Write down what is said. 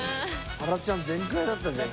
はらちゃん全開だったじゃん